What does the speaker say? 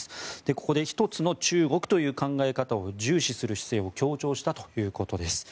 ここで一つの中国という考え方を重視する姿勢を強調したというわけです。